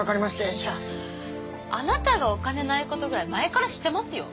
いやあなたがお金ないことくらい前から知ってますよ。